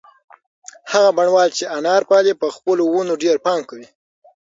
هغه بڼوال چې انار پالي په خپلو ونو ډېر پام کوي.